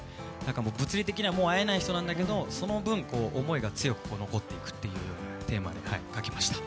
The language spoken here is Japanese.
物理的にはもう会えないんだけど、その分、思いが強く残っていくというテーマで書きました。